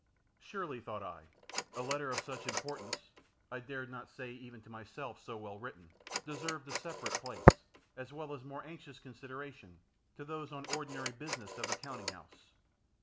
Surely, thought I, a letter of such importance (I dared not say, even to myself, so well written) deserved a separate place, as well as more anxious consideration, than those on the ordinary business of the counting house.